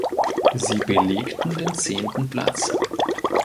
Sie belegten den zehnten Platz.